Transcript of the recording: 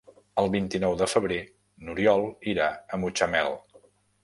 El vint-i-nou de febrer n'Oriol irà a Mutxamel.